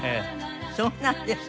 そうなんですか。